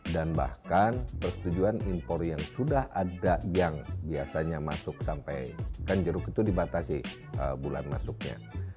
dan bahkan persetujuan impor yang sudah ada yang biasanya masuk sampai kan jeruk itu dibatasi bulan maret